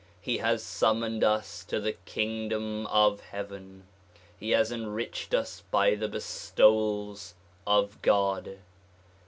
He has summoned us to the kingdom of heaven. He has enriched us by the bestowals of God.